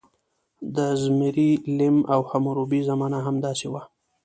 د زیمري لیم او حموربي زمانه همداسې وه.